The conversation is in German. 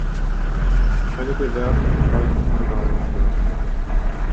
Einige werden im Folgenden dargestellt.